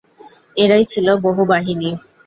এরাই ছিল বহু বাহিনী।